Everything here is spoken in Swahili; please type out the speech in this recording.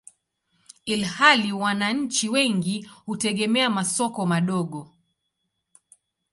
ilhali wananchi wengi hutegemea masoko madogo.